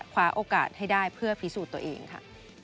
คว้าโอกาสให้ได้เพื่อพิสูจน์ตัวเองค่ะ